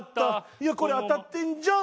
「いやこれ当たってんじゃん！」。